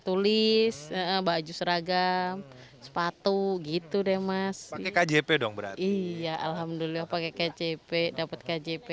tulis baju seragam sepatu gitu deh mas kjp dong berat iya alhamdulillah pakai kjp dapat kjp